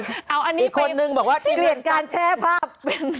อีกคนนึงบอกว่าทีมงานสตันท์เกลียดการแช่ภาพ